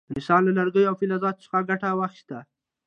انسان له لرګیو او فلزاتو څخه ګټه واخیسته.